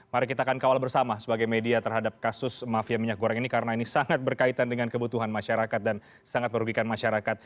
mari kita akan kawal bersama sebagai media terhadap kasus mafia minyak goreng ini karena ini sangat berkaitan dengan kebutuhan masyarakat dan sangat merugikan masyarakat